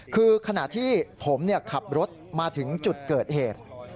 คือขณะที่ผมขับรถมาถึงจุดเกิดเหตุ